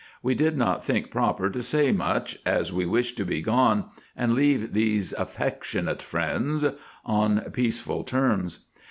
We did not think proper to say much, as we wished to be gone, and leave these affectionate friends on peaceful terms.